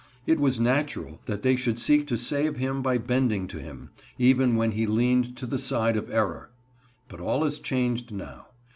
It was natural that they should seek to save him by bending to him even when he leaned to the side of error. But all is changed now.